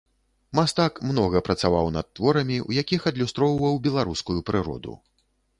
Мастак многа працаваў над творамі, у якіх адлюстроўваў беларускую прыроду.